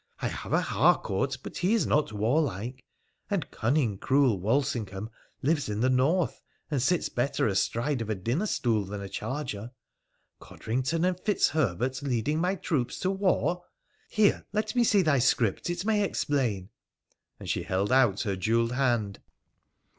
I have a Harcourt, but he is not warlike ; and cunning, cruel Walsingham lives in the north, and sits better astride of a dinner stool than a charger. Codrington and Fitzherbert leading my troops to war ! Here, let me see thy script : it may explain.' And she held out her jewelled hand.